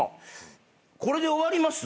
これで終わります？